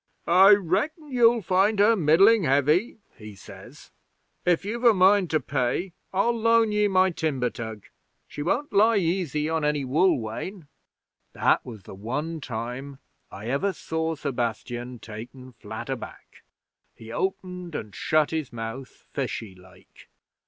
'"I reckon you'll find her middlin' heavy," he says. "If you've a mind to pay, I'll loan ye my timber tug. She won't lie easy on ary wool wain." 'That was the one time I ever saw Sebastian taken flat aback. He opened and shut his mouth, fishy like.